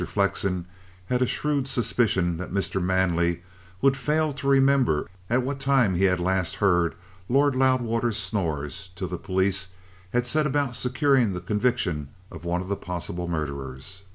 Flexen had a shrewd suspicion that Mr. Manley would fail to remember at what time he had last heard Lord Loudwater's snores till the police had set about securing the conviction of one of the possible murderers.